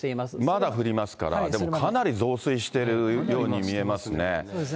まだ降りますから、でもかなり増水してるように見えますね。